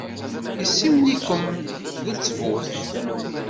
Yessimen-ikem d ttbut.